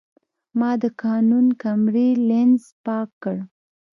ما د کانون کیمرې لینز پاک کړ.